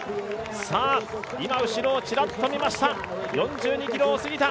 今、後ろをちらっと見ました４２ｋｍを過ぎた！